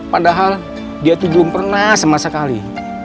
padahal dia itu belum pernah sama sekali